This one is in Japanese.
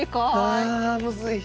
あむずい。